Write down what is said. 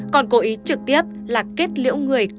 còn cố ý trực tiếp là kết liễu người của người khác